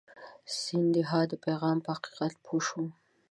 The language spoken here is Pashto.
سیندهیا د پیغام په حقیقت پوه شو.